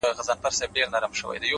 هسي نه هغه باور”